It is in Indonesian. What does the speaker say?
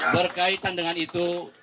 berkaitan dengan itu